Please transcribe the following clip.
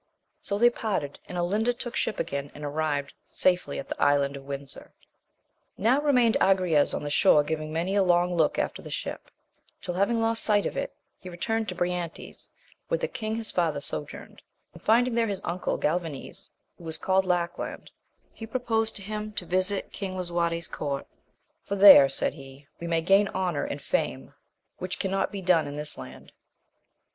So they parted, and Olinda took ship again, and arrived safely at the Island of Windsor. Now remained Agrayes on the shore giving many a long look after the ship, till having lost sight of it he re turned to Briantes, where the king his father sojourned, and finding there his uncle Galvanes, who was called Lackland, he proposed to him to visit King Lisuarte's court, for there, said he, we may gain honour and fame, which cannot be done in this land.